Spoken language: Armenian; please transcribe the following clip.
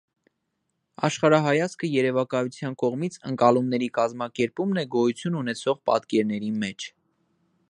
Աշխարհայացքը երևակայության կողմից ընկալումների կազմակերպումն է գոյություն ունեցող պատկերների մեջ։